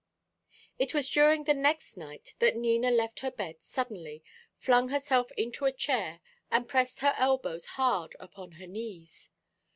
It was during the next night that Nina left her bed suddenly, flung herself into a chair, and pressed her elbows hard upon her knees.